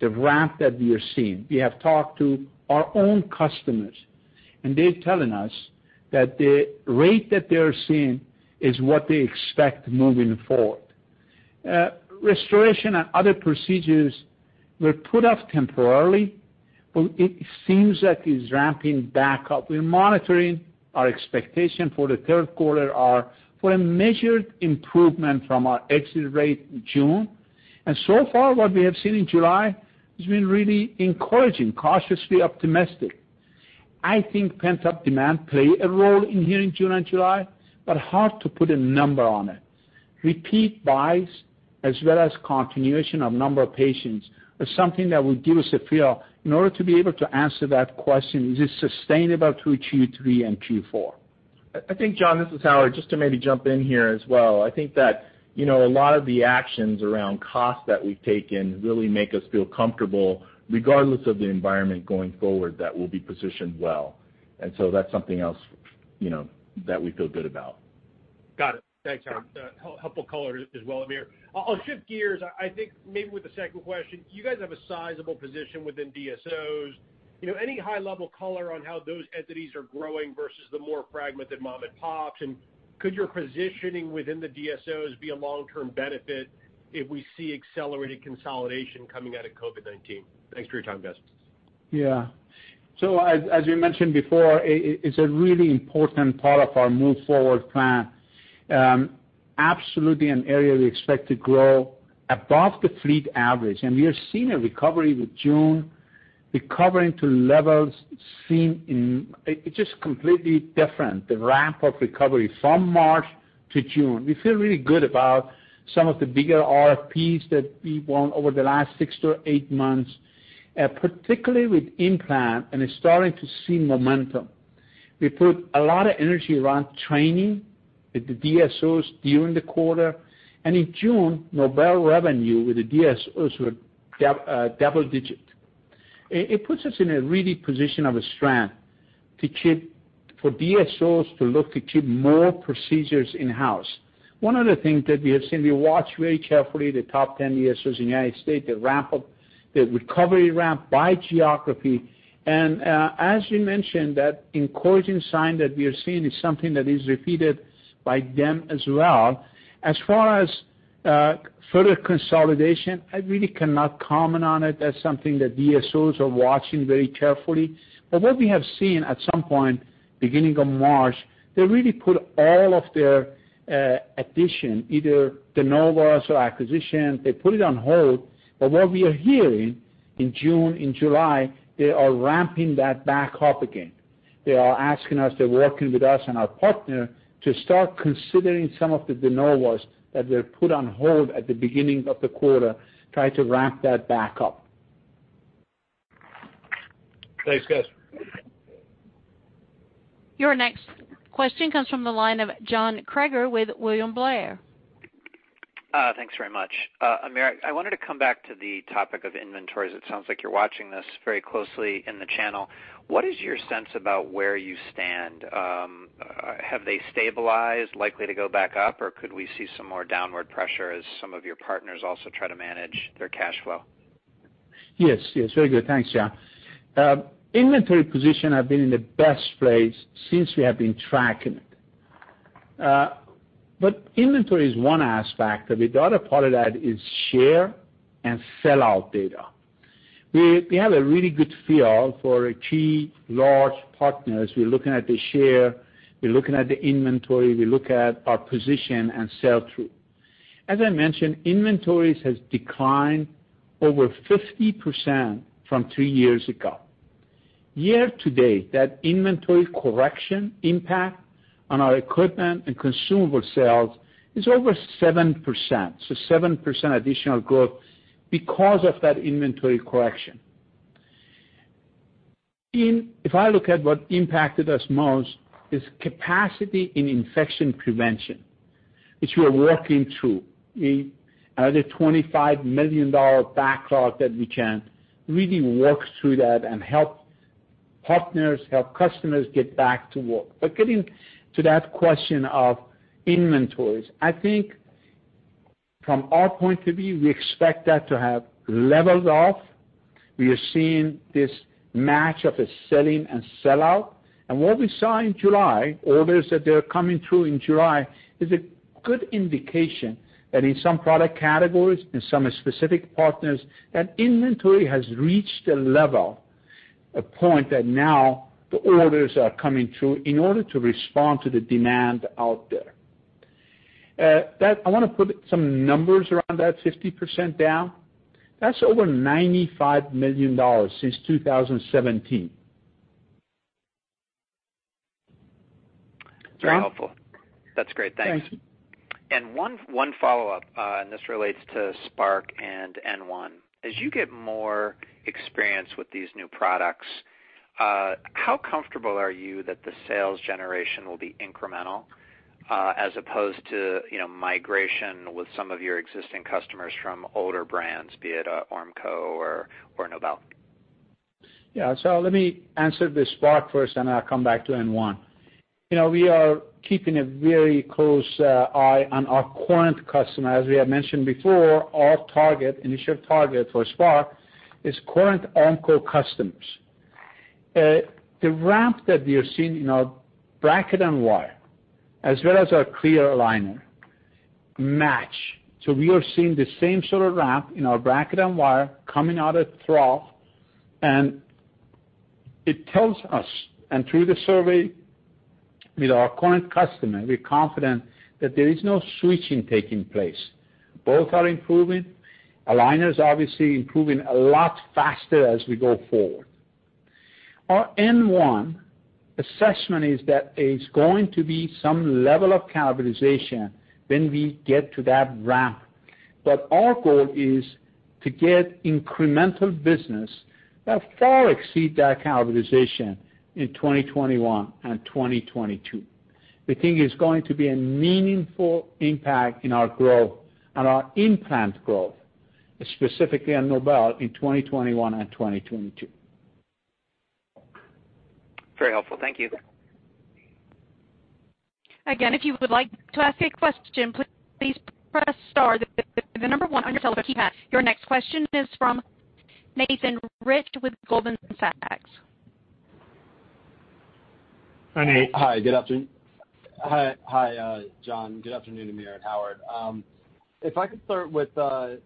Speaker 3: the ramp that we are seeing, we have talked to our own customers, and they're telling us that the rate that they're seeing is what they expect moving forward. Restoration and other procedures were put off temporarily, but it seems that is ramping back up. We're monitoring. Our expectation for the third quarter are for a measured improvement from our exit rate in June, and so far what we have seen in July has been really encouraging, cautiously optimistic. I think pent-up demand play a role in here in June and July, but hard to put a number on it. Repeat buys as well as continuation of number of patients is something that will give us a feel in order to be able to answer that question, is this sustainable through Q3 and Q4?
Speaker 4: I think, John, this is Howard. Just to maybe jump in here as well. I think that, you know, a lot of the actions around cost that we've taken really make us feel comfortable, regardless of the environment going forward, that we'll be positioned well. And so that's something else, you know, that we feel good about.
Speaker 8: Got it. Thanks, Howard. Helpful color as well, Amir. I'll shift gears. I think maybe with the second question, you guys have a sizable position within DSOs. You know, any high-level color on how those entities are growing versus the more fragmented mom-and-pops? And could your positioning within the DSOs be a long-term benefit if we see accelerated consolidation coming out of COVID-19? Thanks for your time, guys.
Speaker 3: Yeah. So as you mentioned before, it's a really important part of our move forward plan. Absolutely an area we expect to grow above the fleet average, and we are seeing a recovery with June, recovering to levels seen in. It's just completely different, the ramp of recovery from March to June. We feel really good about some of the bigger RFPs that we won over the last six-eight months, particularly with implants, and it's starting to see momentum. We put a lot of energy around training with the DSOs during the quarter, and in June, Nobel revenue with the DSOs were double digit. It puts us in a real position of strength to keep, for DSOs to look to keep more procedures in-house. One of the things that we have seen, we watch very carefully the top 10 DSOs in the United States, the ramp up - the recovery ramp by geography. And, as you mentioned, that encouraging sign that we are seeing is something that is repeated by them as well. As far as further consolidation, I really cannot comment on it. That's something that DSOs are watching very carefully. But what we have seen at some point, beginning of March, they really put all of their addition, either de novos or acquisition, they put it on hold. But what we are hearing in June and July, they are ramping that back up again. They are asking us, they're working with us and our partner to start considering some of the de novos that were put on hold at the beginning of the quarter, try to ramp that back up.
Speaker 8: Thanks, guys.
Speaker 1: Your next question comes from the line of John Kreger with William Blair.
Speaker 9: Thanks very much. Amir, I wanted to come back to the topic of inventories. It sounds like you're watching this very closely in the channel. What is your sense about where you stand? Have they stabilized, likely to go back up, or could we see some more downward pressure as some of your partners also try to manage their cash flow?
Speaker 3: Yes, yes, very good. Thanks, John. Inventory position have been in the best place since we have been tracking it. But inventory is one aspect of it. The other part of that is share and sell-out data. We, we have a really good feel for our key large partners. We're looking at the share, we're looking at the inventory, we look at our position and sell-through. As I mentioned, inventories has declined over 50% from three years ago. Year to date, that inventory correction impact on our equipment and consumable sales is over 7%. So 7% additional growth because of that inventory correction. If I look at what impacted us most, is capacity in infection prevention, which we are working through, the $25 million backlog that we can really work through that and help partners, help customers get back to work. Getting to that question of inventories, I think from our point of view, we expect that to have leveled off. We are seeing this match of a selling and sell-out. What we saw in July, orders that they are coming through in July, is a good indication that in some product categories and some specific partners, that inventory has reached a level, a point that now the orders are coming through in order to respond to the demand out there. I want to put some numbers around that 50% down. That's over $95 million since 2017. John?
Speaker 9: Very helpful. That's great. Thanks.
Speaker 3: Thanks.
Speaker 9: One follow-up, and this relates to Spark and N1. As you get more experience with these new products, how comfortable are you that the sales generation will be incremental, as opposed to, you know, migration with some of your existing customers from older brands, be it Ormco or Nobel?
Speaker 3: Yeah, so let me answer the Spark first, and I'll come back to N1. You know, we are keeping a very close eye on our current customer. As we have mentioned before, our target, initial target for Spark is current Ormco customers. The ramp that we are seeing in our bracket and wire, as well as our clear aligner, match. So we are seeing the same sort of ramp in our bracket and wire coming out of trough, and it tells us, and through the survey with our current customer, we're confident that there is no switching taking place. Both are improving. Aligner is obviously improving a lot faster as we go forward. Our N1 assessment is that there's going to be some level of cannibalization when we get to that ramp, but our goal is to get incremental business that far exceed that cannibalization in 2021 and 2022. We think it's going to be a meaningful impact in our growth and our implant growth, specifically on Nobel, in 2021 and 2022.
Speaker 9: Very helpful. Thank you.
Speaker 1: Again, if you would like to ask a question, please press star then the number one on your telephone keypad. Your next question is from Nathan Rich with Goldman Sachs.
Speaker 10: Hi, hi, John. Good afternoon, Amir and Howard. If I could start with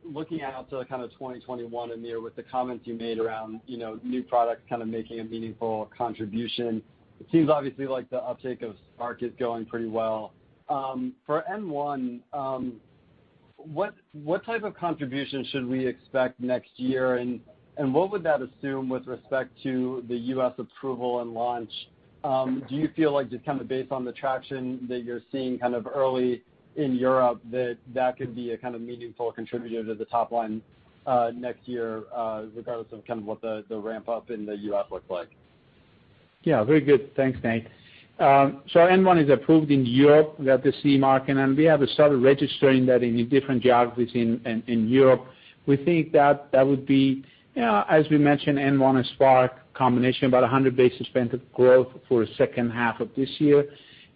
Speaker 10: looking out to kind of 2021, Amir, with the comments you made around, you know, new products kind of making a meaningful contribution. It seems obviously like the uptake of Spark is going pretty well. For N1, what type of contribution should we expect next year? And what would that assume with respect to the U.S. approval and launch? Do you feel like just kind of based on the traction that you're seeing kind of early in Europe, that could be a kind of meaningful contributor to the top line next year, regardless of kind of what the ramp up in the U.S. looks like?
Speaker 3: Yeah, very good. Thanks, Nate. So N1 is approved in Europe. We have the CE mark, and we have started registering that in the different geographies in Europe. We think that that would be, as we mentioned, N1 and Spark combination, about 100 basis point of growth for the second half of this year.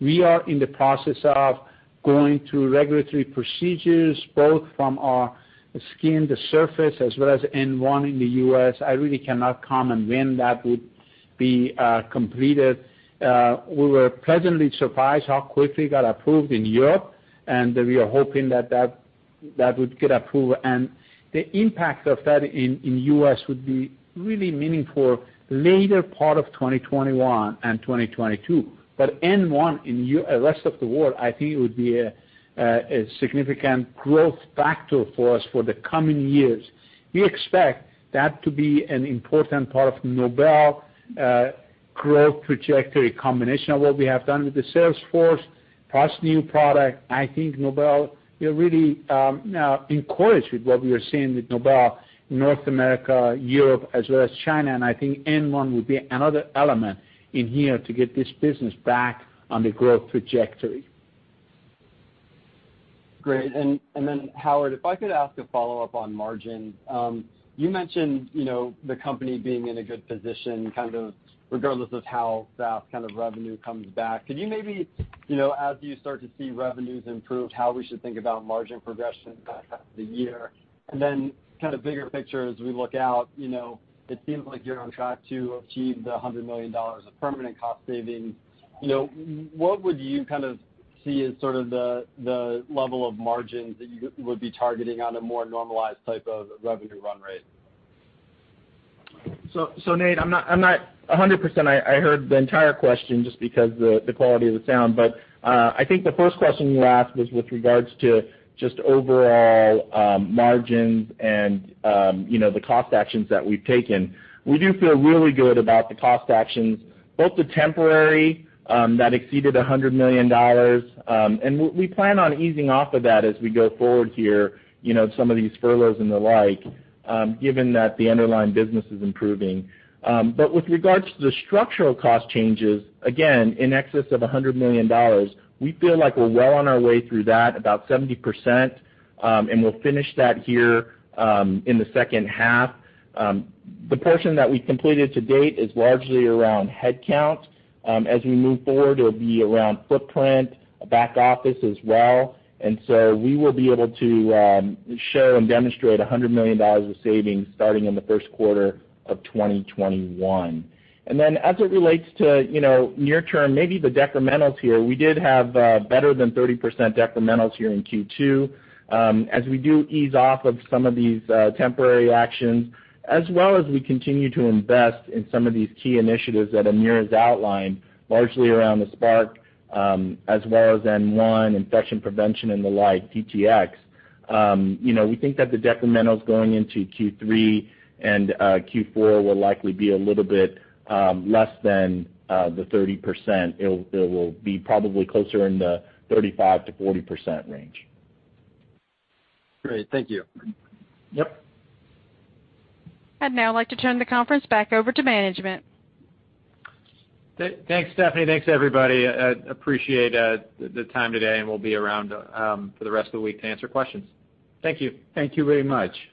Speaker 3: We are in the process of going through regulatory procedures, both from our end, the surface, as well as N1 in the U.S. I really cannot comment when that would be completed. We were pleasantly surprised how quickly it got approved in Europe, and we are hoping that that would get approved. And the impact of that in the US would be really meaningful later part of 2021 and 2022. But N1 in Europe, rest of the world, I think it would be a, a significant growth factor for us for the coming years. We expect that to be an important part of Nobel, growth trajectory, combination of what we have done with the sales force, plus new product. I think Nobel, we are really, encouraged with what we are seeing with Nobel in North America, Europe, as well as China. And I think N1 will be another element in here to get this business back on the growth trajectory.
Speaker 10: Great. And, and then, Howard, if I could ask a follow-up on margin. You mentioned, you know, the company being in a good position, kind of regardless of how fast kind of revenue comes back. Could you maybe, you know, as you start to see revenues improve, how we should think about margin progression throughout the year? And then kind of bigger picture as we look out, you know, it seems like you're on track to achieve the $100 million of permanent cost savings. You know, what would you kind of see as sort of the, the level of margins that you would be targeting on a more normalized type of revenue run rate?
Speaker 4: So, Nate, I'm not a hundred percent I heard the entire question just because the quality of the sound. But, I think the first question you asked was with regards to just overall margins and, you know, the cost actions that we've taken. We do feel really good about the cost actions, both the temporary that exceeded $100 million, and we plan on easing off of that as we go forward here, you know, some of these furloughs and the like, given that the underlying business is improving. But with regards to the structural cost changes, again, in excess of $100 million, we feel like we're well on our way through that, about 70%, and we'll finish that here, in the second half. The portion that we completed to date is largely around headcount. As we move forward, it'll be around footprint, back office as well. And so we will be able to show and demonstrate $100 million of savings starting in the first quarter of 2021. And then as it relates to, you know, near term, maybe the decrementals here, we did have better than 30% decrementals here in Q2. As we do ease off of some of these temporary actions, as well as we continue to invest in some of these key initiatives that Amir has outlined, largely around the Spark, as well as N1, infection prevention and the like, DTX. You know, we think that the decrementals going into Q3 and Q4 will likely be a little bit less than the 30%. It will be probably closer in the 35%-40% range.
Speaker 10: Great. Thank you.
Speaker 4: Yep.
Speaker 1: I'd now like to turn the conference back over to management.
Speaker 2: Thanks, Stephanie. Thanks, everybody. Appreciate the time today, and we'll be around for the rest of the week to answer questions. Thank you.
Speaker 3: Thank you very much.
Speaker 1: Thank you.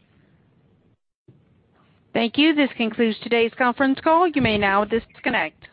Speaker 1: This concludes today's conference call. You may now disconnect.